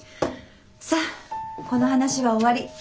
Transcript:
さっこの話は終わり。